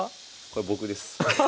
これ僕です。